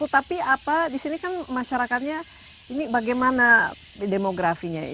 tapi apa di sini kan masyarakatnya ini bagaimana demografinya